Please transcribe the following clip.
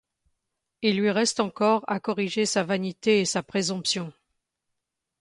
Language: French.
Il lui reste encore à corriger sa vanité et sa présomption.